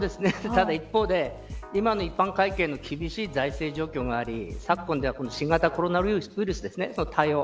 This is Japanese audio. ただ一方で、今の一般会計の厳しい財政状況があり昨今では新型コロナウイルスの対応。